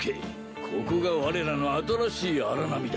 ここがわれらの新しい荒波だ。